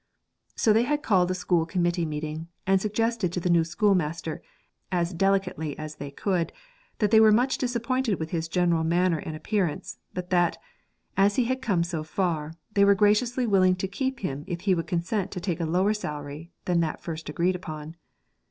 So they had called a school committee meeting, and suggested to the new schoolmaster, as delicately as they could, that they were much disappointed with his general manner and appearance, but that, as he had come so far, they were graciously willing to keep him if he would consent to take a lower salary than that first agreed on.